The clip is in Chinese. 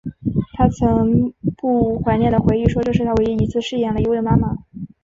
她曾不无怀念的回忆说这是她唯一一次饰演了一位妈妈。